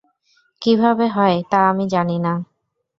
কীভাবে হয় তা আমি জানি না।